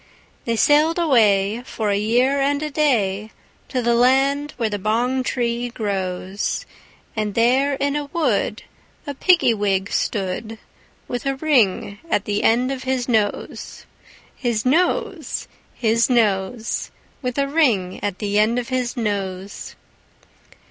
They sailed away, for a year and a day, To the land where the bong tree grows; And there in a wood a Piggy wig stood, With a ring at the end of his nose, His nose, His nose, With a ring at the end of his nose.